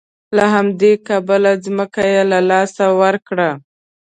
له همدې کبله ځمکه یې له لاسه ورکړه.